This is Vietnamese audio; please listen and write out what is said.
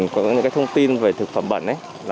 có những thông tin về thực phẩm bẩn ấy